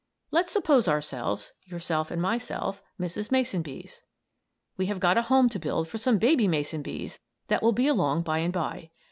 Let's suppose ourselves yourself and myself Mrs. Mason Bees. We have got a home to build for some baby mason bees that will be along by and by.